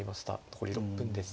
残り６分です。